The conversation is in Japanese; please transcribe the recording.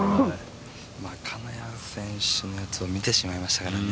金谷選手のやつを見てしまいましたからね。